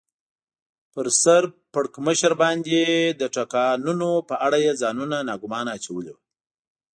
پر سر پړکمشرانو باندې د ټکانونو په اړه یې ځانونه ناګومانه اچولي و.